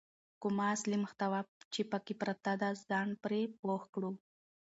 کومه اصلي محتوا چې پکې پرته ده ځان پرې پوه کړو.